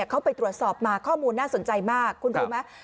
เขาไปตรวจสอบมาข้อมูลน่าสนใจมากคุณรู้ไหม